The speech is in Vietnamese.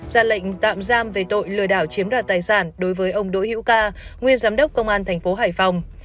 ra lệnh tạm giam về tội lừa đảo chiếm đoạt tài sản đối với ông đỗ hữu ca nguyên giám đốc công an thành phố hải phòng